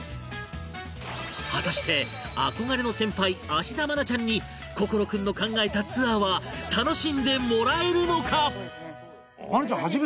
果たして憧れの先輩芦田愛菜ちゃんに心君の考えたツアーは楽しんでもらえるのか？